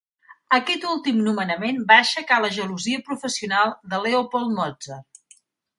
Aquest últim nomenament va aixecar la gelosia professional de Leopold Mozart.